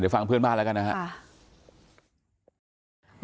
ฟังเพื่อนบ้านแล้วกันนะครับ